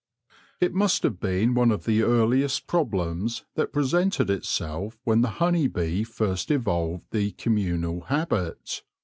It must have been one of the earliest problems that presented itself when the honey bee first evolved the communal habit.